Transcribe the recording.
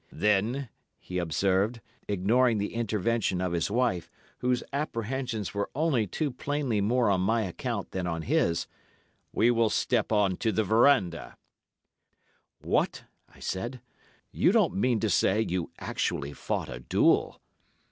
"'Then,' he observed, ignoring the intervention of his wife, whose apprehensions were only too plainly more on my account than on his, 'we will step on to the verandah.' "'What!' I said. 'You don't mean to say you actually fought a duel?